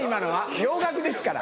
洋楽ですから。